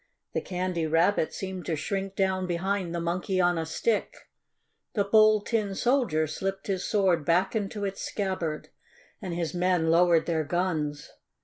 The Candy Rabbit seemed to shrink down behind the Monkey on a Stick. The Bold Tin Soldier slipped his sword back into its scabbard, and his men lowered their guns.